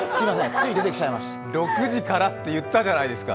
６時からって言ったじゃないですか。